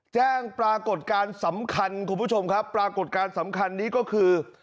แจ้งปรากฏการณ์สำคัญคุณผู้ชมครับปรากฏการณ์สำคัญนี้ก็คือ